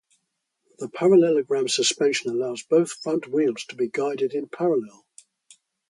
The parallelogram suspension allows both front wheels to be guided in parallel.